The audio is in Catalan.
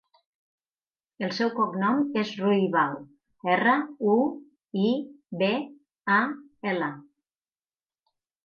El seu cognom és Ruibal: erra, u, i, be, a, ela.